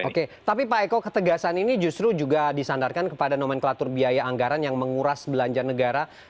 oke tapi pak eko ketegasan ini justru juga disandarkan kepada nomenklatur biaya anggaran yang menguras belanja negara